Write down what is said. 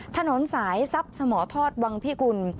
ถนนสายซับสมทรวภ์บ้างพิกุล